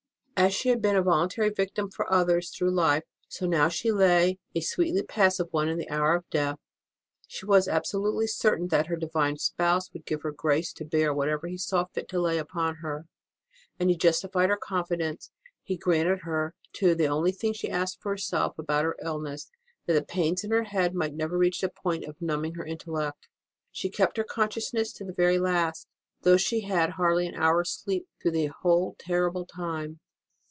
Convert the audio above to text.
As she had been a voluntary victim for others through life, so she now lay a sweetly passive one in the hour of death. She was absolutely certain that her Divine Spouse would give her grace to bear whatever He saw fit to lay upon her, and He justified her con fidence. He granted her, too, the only thing she asked for herself about her illness that the pains in her head might never reach the point of numbing her intellect. She kept her conscious ness to the very last, though she had hardly an hour s sleep through the whole terrible time.